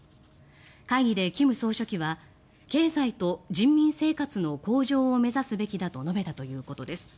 会議で金総書記は経済と人民生活の向上を目指すべきだと述べたということです。